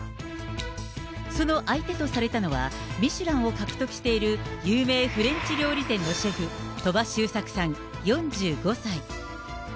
その相手とされたミシュランを獲得している有名フレンチ料理店のシェフ、鳥羽周作さん４５歳。